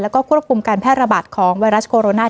แล้วก็ควบคุมการแพร่ระบาดของไวรัสโคโรนา